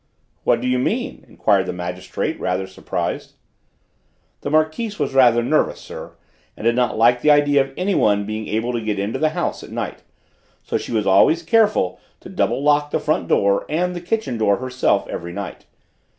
"What do you mean?" enquired the magistrate, rather surprised. "The Marquise was rather nervous, sir, and did not like the idea of anyone being able to get into the house at night; so she was always careful to double lock the front door and the kitchen door herself every night.